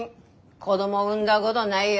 子供産んだごどないよ。